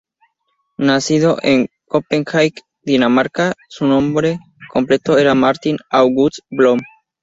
Nacido en Copenhague, Dinamarca, su nombre completo era Martin August Blom.